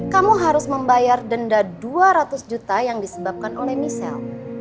kamu harus membayar denda dua ratus juta yang disebabkan oleh michelle